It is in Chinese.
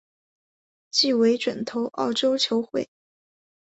季尾转投澳洲球会。